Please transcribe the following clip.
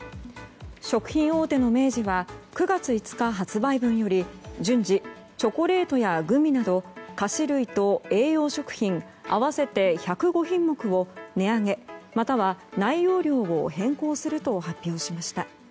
食品大手の明治は９月２０日発売分より順次、チョコレートやグミなど菓子類と栄養食品合わせて１０５品目を値上げまたは内容量を変更すると発表しました。